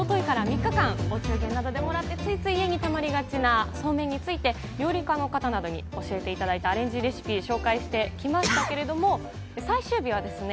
一昨日から３日間、お中元などでもらってついつい家にたまりがちなそうめんについて料理家の方などに教えていただいた、アレンジレシピを紹介してきましたけれども、最終日はですね